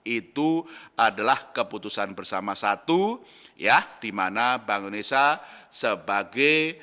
itu adalah keputusan bersama satu ya di mana bank indonesia sebagai